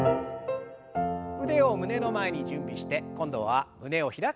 腕を胸の前に準備して今度は胸を開く運動です。